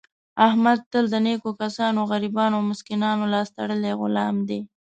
احمد تل د نېکو کسانو، غریبانو او مسکینانو لاس تړلی غلام دی.